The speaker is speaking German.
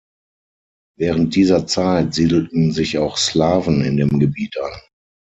Während dieser Zeit siedelten sich auch Slawen in dem Gebiet an.